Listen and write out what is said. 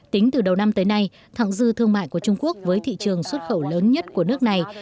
tính từ đầu năm tới nay thẳng dư thương mại của trung quốc với thị trường xuất khẩu lớn nhất của nước này